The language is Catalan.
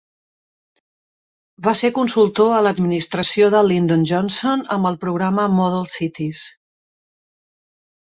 Va ser consultor a l'administració de Lyndon Johnson amb el programa Model Cities.